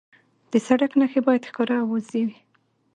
د سړک نښې باید ښکاره او واضح وي.